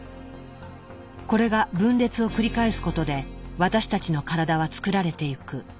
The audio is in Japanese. これが分裂を繰り返すことで私たちの体は作られてゆく。